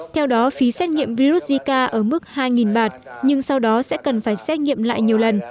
theo đó phí xét nghiệm virus zika ở mức hai bạt nhưng sau đó sẽ cần phải xét nghiệm lại nhiều lần